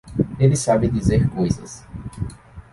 Ele sabe dizer coisas.